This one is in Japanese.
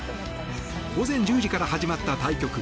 午前１０時から始まった対局。